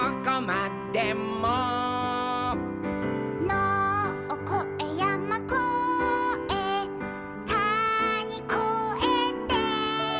「のをこえやまこえたにこえて」